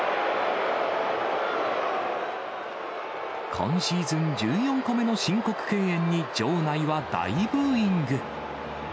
今シーズン１４個目の申告敬遠に場内は大ブーイング。